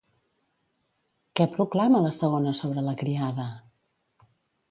Què proclama la segona sobre la criada?